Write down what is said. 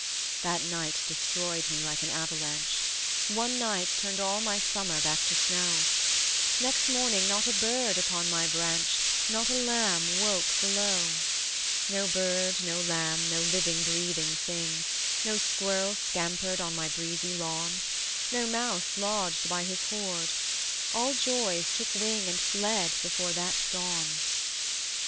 That night destroyed me like an avalanche; One night turned all my summer back to snow: Next morning not a bird upon my branch, Not a lamb woke below, No bird, no lamb, no living breathing thing; No squirrel scampered on my breezy lawn, No mouse lodged by his hoard: all joys took wing And fled before that dawn.